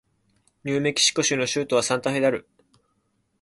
ニューメキシコ州の州都はサンタフェである